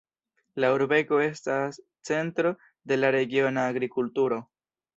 La urbego estas centro de la regiona agrikulturo.